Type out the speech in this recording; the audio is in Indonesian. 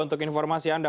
untuk informasi anda